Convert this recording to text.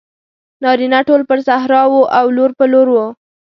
نارینه ټول پر صحرا وو لور په لور وو.